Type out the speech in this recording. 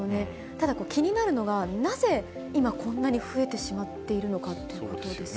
ただ、気になるのが、なぜ今、こんなに増えてしまっているのかということですよね。